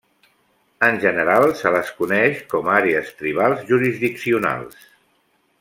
En general, se les coneix com a Àrees Tribals Jurisdiccionals.